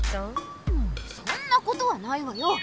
そんなことはないわよ。